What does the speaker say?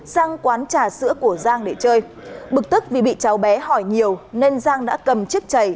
sang quán trà sữa của giang để chơi bực tức vì bị cháu bé hỏi nhiều nên giang đã cầm chiếc chầy